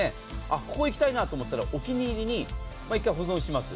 ここに行きたいなと思ったら、お気に入りに１回保存します。